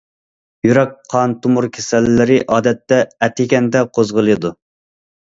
يۈرەك قان تومۇر كېسەللىرى ئادەتتە ئەتىگەندە قوزغىلىدۇ.